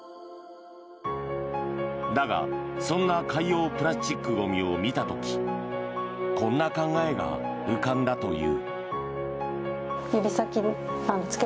だがそんな海洋プラスチックゴミを見た時こんな考えが浮かんだという。